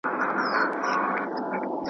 د هغه چاسره د ناستی څخه چي نغواړم ورسره کښېنم